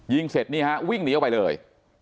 เสร็จนี่ฮะวิ่งหนีออกไปเลย